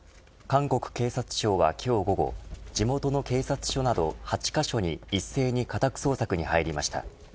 韓国警察庁は今日午後地元の警察署など８カ所に一斉に家宅捜索に入りました。